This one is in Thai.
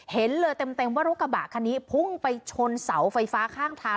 เห็นเลยเต็มว่ารถกระบะคันนี้พุ่งไปชนเสาไฟฟ้าข้างทาง